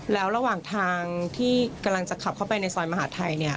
แล้วระหว่างทางที่กำลังจะขับเข้าไปในซอยมหาดไทย